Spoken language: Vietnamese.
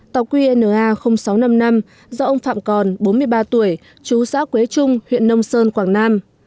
tàu qna sáu trăm năm mươi năm do ông phạm còn bốn mươi ba tuổi chú xã quế trung huyện nông sơn quảng nam